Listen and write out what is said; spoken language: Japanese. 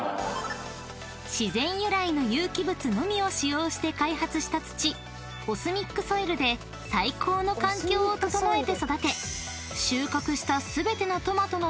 ［自然由来の有機物のみを使用して開発した土オスミックソイルで最高の環境を整えて育て］